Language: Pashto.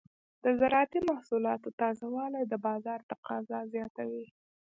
د زراعتي محصولاتو تازه والي د بازار تقاضا زیاتوي.